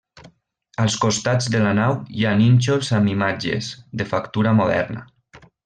Als costats de la nau hi ha nínxols amb imatges, de factura moderna.